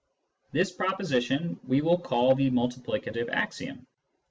This proposition we will call the " multiplicative axiom."